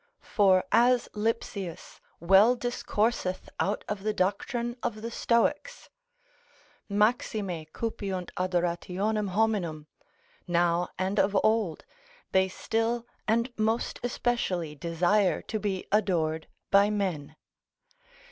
For as Lipsius well discourseth out of the doctrine of the Stoics, maxime cupiunt adorationem hominum, now and of old, they still and most especially desire to be adored by men.